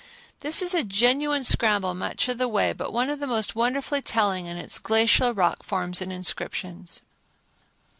This is a genuine scramble much of the way but one of the most wonderfully telling in its glacial rock forms and inscriptions.